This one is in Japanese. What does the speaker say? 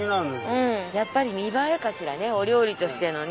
やっぱり見栄えかしらねお料理としての。